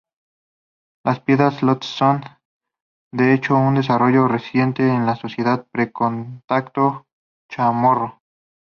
Las piedras Latte son, de hecho, un desarrollo reciente en la sociedad pre-contacto chamorro.